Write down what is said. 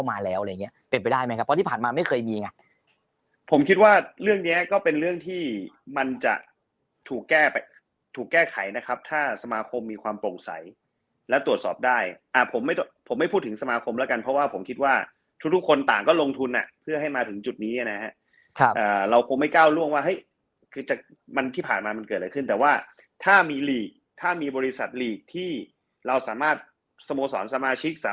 แก้ไขนะครับถ้าสมาคมมีความโปร่งใสแล้วตรวจสอบได้อ่าผมไม่ต้องผมไม่พูดถึงสมาคมแล้วกันเพราะว่าผมคิดว่าทุกทุกคนต่างก็ลงทุนอ่ะเพื่อให้มาถึงจุดนี้อ่ะนะฮะครับอ่าเราคงไม่ก้าวล่วงว่าเฮ้ยคือจะมันที่ผ่านมามันเกิดอะไรขึ้นแต่ว่าถ้ามีหลีกถ้ามีบริษัทหลีกที่เราสามารถสโมสรสมาชิกสา